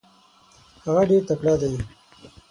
هغه ډېر تکړه دی.